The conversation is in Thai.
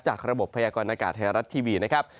ระบบพยากรณากาศไทยรัฐทีวีนะครับ